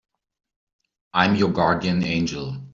I'm your guardian angel.